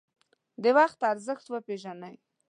د وخت ارزښت وپیژنئ